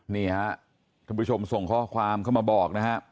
นี่ฮะท่านผู้ชมส่งข้อความเข้ามาบอกนะครับ